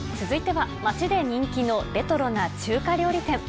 続いては町で人気のレトロな中華料理店。